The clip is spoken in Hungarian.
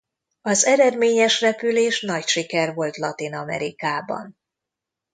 Az eredményes repülés nagy siker volt Latin-Amerikában.